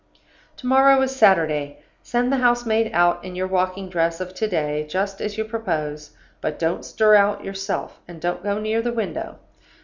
"To morrow is Saturday. Send the housemaid out in your walking dress of to day, just as you propose; but don't stir out yourself, and don't go near the window.